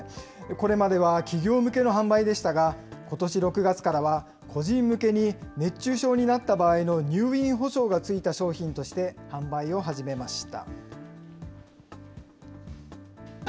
これまでは企業向けの販売でしたが、ことし６月からは個人向けに熱中症になった場合の入院補償がついた商品として販売を始めました。